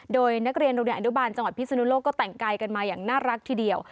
โดยนักเรียนโรงเรียนอนุบาลจังหวัดพิศนุโลกก็แต่งกายกันมาอย่างน่ารักทีเดียว